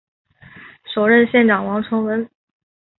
首任县长王成文。